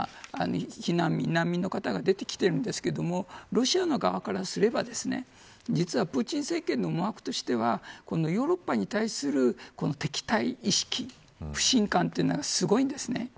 避難民、難民の方が出てきているんですけれどもロシアの側からすれば実はプーチン政権の思惑としてはヨーロッパに対する敵対意識不信感というのがすごいんです。